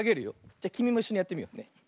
じゃきみもいっしょにやってみようね。